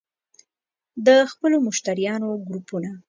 - د خپلو مشتریانو ګروپونه